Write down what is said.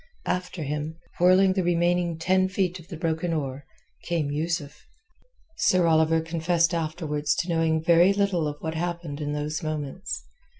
After him, whirling the remaining ten feet of the broken oar, came Yusuf. Sir Oliver confessed afterwards to knowing very little of what happened in those moments.